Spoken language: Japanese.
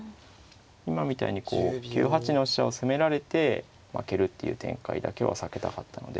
今みたいにこう９八の飛車を攻められて負けるっていう展開だけは避けたかったので。